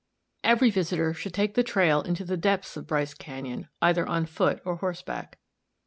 Every visitor should take the trail into the depths of Bryce Canyon, either on foot or horseback.